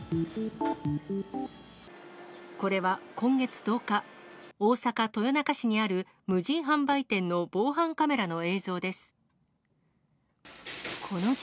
これは、今月１０日、大阪・豊中市にある無人販売店の防犯カメラの映像です。